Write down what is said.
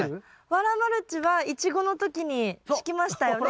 ワラマルチはイチゴの時に敷きましたよね。